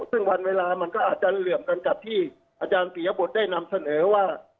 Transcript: ซึ่งวันเวลามันก็อาจจะเหลื่อมกันกับที่อาจารย์ปียบุตรได้นำเสนอว่า